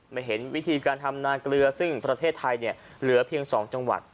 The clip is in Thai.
ไม่เห็นวิธีการทำนาเกลือซึ่งประเทศไทยเนี่ยเหลือเพียง๒จังหวัด